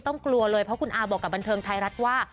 กลัวเลยเพราะคุณอาบอกกับบันเทิงไทยรัฐว่า